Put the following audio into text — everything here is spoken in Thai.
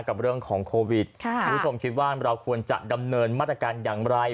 กับเรื่องของโควิดคุณผู้ชมคิดว่าเราควรจะดำเนินมาตรการอย่างไร